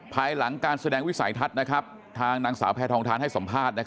ภายหลังการแสดงวิสัยทัศน์ทางนางสาวแพทองทานให้สัมภาษณ์